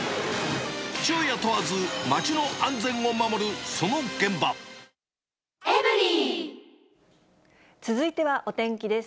昼夜問わず、続いてはお天気です。